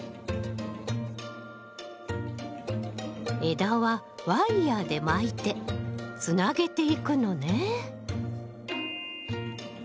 枝はワイヤーで巻いてつなげていくのね。